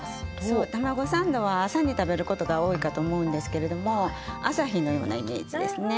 そうたまごサンドは朝に食べることが多いかと思うんですけれども朝日のようなイメージですね。